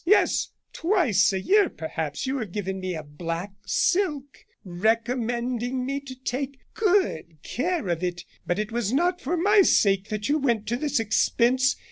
Yes, twice a year, perhaps, you have given me a black silk, recommending me to take good care of it. But it was not for my sake that you went to this expense.